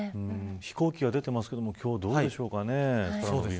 飛行機は出ていますが今日はどうでしょうかね。